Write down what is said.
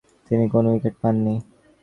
তিনি কোন উইকেট পাননি।